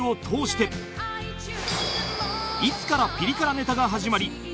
通していつからピリ辛ネタが始まり